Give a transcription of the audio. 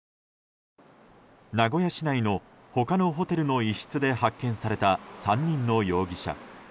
名古屋市内の他のホテルの一室で発見された３人の容疑者。